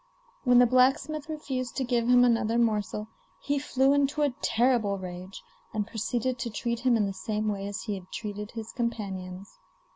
When the blacksmith refused to give him another morsel, he flew into a terrible rage, and proceeded to treat him in the same way as he had treated his companions.